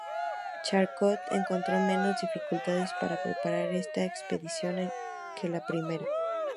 Charcot encontró menos dificultades para preparar esta expedición que la primera.